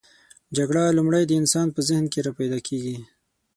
جګړه لومړی د انسان په ذهن کې راپیداکیږي.